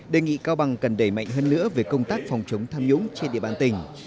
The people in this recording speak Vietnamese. đề nghị cao bằng cần đẩy mạnh hơn nữa về công tác phòng chống tham nhũng trên địa bàn tỉnh